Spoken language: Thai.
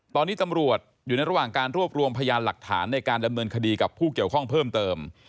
ตอนนี้ตำรวจอยู่ในระหว่างการรวบรวมพยานหลักฐานในการดำเนินคดีกับผู้เกี่ยวข้องเพิ่มเติม